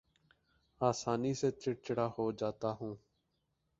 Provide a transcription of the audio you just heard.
آسانی سے چڑ چڑا ہو جاتا ہوں